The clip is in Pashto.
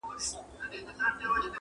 نور به نه اورې ژړا د ماشومانو-